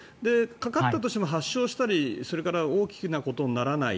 かかったとしても発症したりそれから大きなことにならない。